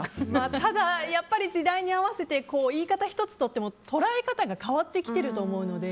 ただ、やっぱり時代に合わせて言い方１つ取っても捉え方が変わってきてると思うので。